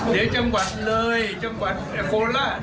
เดี๋ยวจังหวัดเลยจังหวัดโคราช